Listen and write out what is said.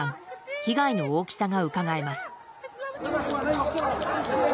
被害の大きさがうかがえます。